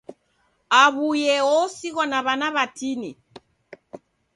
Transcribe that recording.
Aw'uye osighwa na w'ana w'atini.